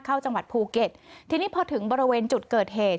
จังหวัดภูเก็ตทีนี้พอถึงบริเวณจุดเกิดเหตุ